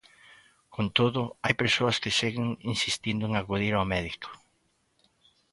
Con todo, hai persoas que seguen insistindo en acudir ao médico.